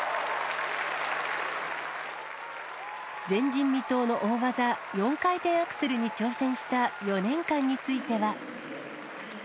前人未到の大技、４回転アクセルに挑戦した４年間については。